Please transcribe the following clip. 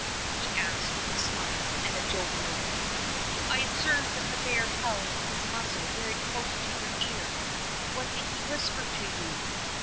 he asked with a smile and a jovial wink. "I observed that the bear held his muzzle very close to your ear — what did % he whisper to you?"